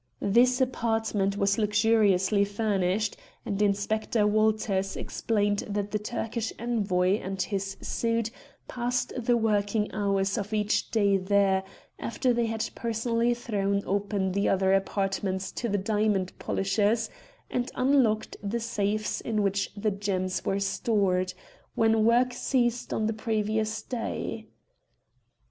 This apartment was luxuriously furnished, and Inspector Walters explained that the Turkish Envoy and his suite passed the working hours of each day there after they had personally thrown open the other apartments to the diamond polishers and unlocked the safes in which the gems were stored, when work ceased on the previous day.